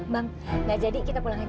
bang gak jadi kita pulang aja